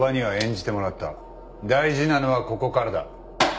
大事なのはここからだ。